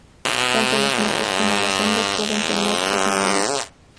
Tanto los machos como las hembras pueden tener cornamenta.